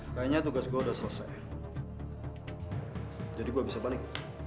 kayaknya tugas gue udah selesai jadi gue bisa balik